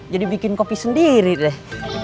jadi bikin kopi sendiri deh